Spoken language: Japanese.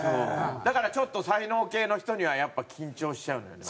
だからちょっと才能系の人にはやっぱ緊張しちゃうんだよね。